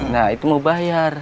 nah itu mau bayar